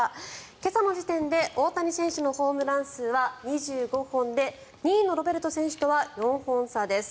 今朝の時点で大谷選手のホームラン数は２５本で２位のロベルト選手とは４本差です。